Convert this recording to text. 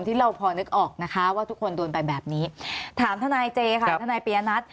ที่เราพอนึกออกนะคะว่าทุกคนโดนไปแบบนี้ถามทนายเจค่ะทนายปียนัท